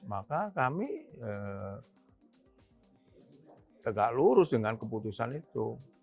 maka kami tegak lurus dengan keputusan itu